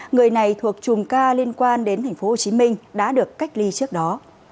người này thuộc chùm ca liên quan đến tp hcm đã được cách ly trước đó